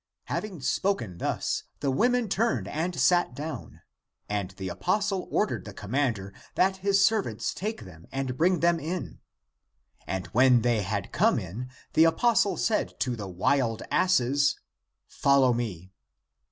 '' Having spoken thus, the women turned and sat down. And the apostle ordered the commander that his servants take them and bring them in. An^ 1 when they had come in, the apostle said to the wild asses, " Follow me."